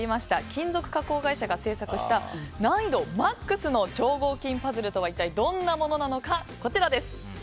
金属加工会社が製作した難易度マックスの超合金パズルとは一体どんなものなのか。